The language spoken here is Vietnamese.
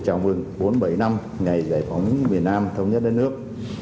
chào mừng bốn mươi bảy năm ngày giải phóng miền nam thống nhất đất nước